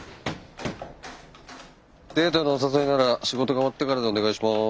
デートのお誘いなら仕事が終わってからでお願いします。